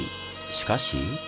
しかし。